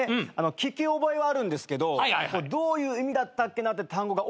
聞き覚えはあるんですけどどういう意味だったっけな？って単語が多くないですか？